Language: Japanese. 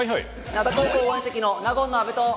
灘高校応援席の納言の安部と。